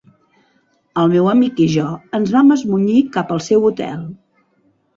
El meu amic i jo ens vam esmunyir cap al seu hotel